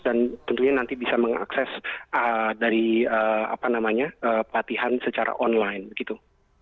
dan tentunya nanti bisa mengakses dari apa namanya latihan secara online begitu